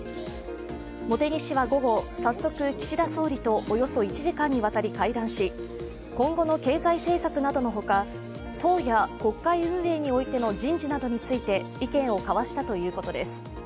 茂木氏は午後、早速、岸田総理とおよそ１時間にわたり会談し、今後の経済政策などのほか党や国会運営においての人事について、意見を交わしたということです。